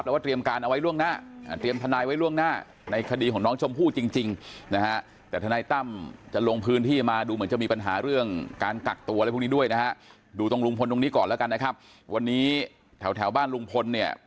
วันนี้แถวบ้านลุงพลเนี่ย